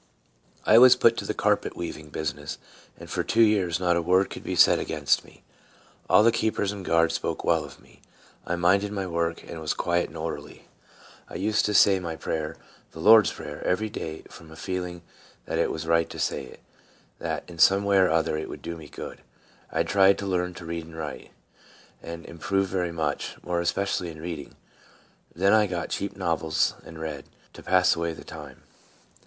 I WAS put to the carpet weaving business, and for two years not a word could be said against me. All the keepers and guards spoke well of me. I minded my work, and was quiet and orderly. I used to say my prayer the Lord's Prayer every day, from a feeling that it was right to say it, and that in some way or other it would do me good. I tried to learn to read and write, and im proved very much, more especially in reading. Then I got cheap novels and read, to pass away the time.